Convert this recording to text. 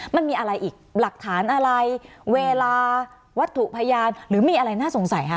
มันมีอะไรอีกหลักฐานอะไรเวลาวัตถุพยานหรือมีอะไรน่าสงสัยค่ะ